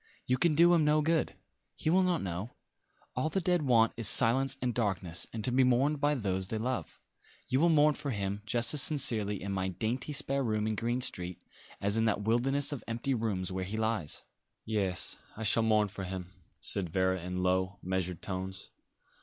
"You can do him no good. He will not know. All the dead want is silence and darkness, and to be mourned by those they love. You will mourn for him just as sincerely in my dainty spare room in Green Street as in that wilderness of empty rooms where he lies." "Yes, I shall mourn for him," said Vera in low, measured tones.